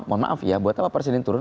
mohon maaf ya buat apa presiden turun